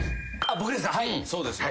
僕ですか？